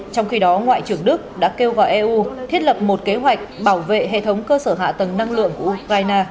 trong khi đó ngoại trưởng đức đã kêu gọi eu thiết lập một kế hoạch bảo vệ hệ thống cơ sở hạ tầng năng lượng của ukraine